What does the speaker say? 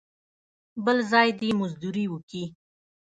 بل ځای دې مزدوري وکي.